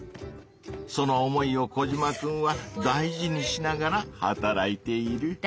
その思いをコジマくんは大事にしながら働いている。